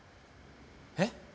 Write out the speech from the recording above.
えっ？